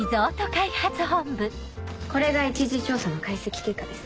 これが一次調査の解析結果です。